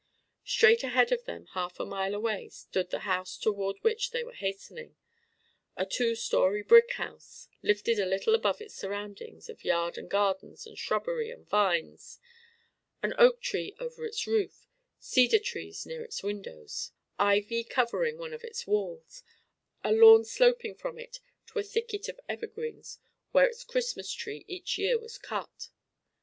Straight ahead of them half a mile away stood the house toward which they were hastening; a two story brick house, lifted a little above its surroundings of yard and gardens and shrubbery and vines: an oak tree over its roof, cedar trees near its windows, ivy covering one of its walls, a lawn sloping from it to a thicket of evergreens where its Christmas Tree each year was cut.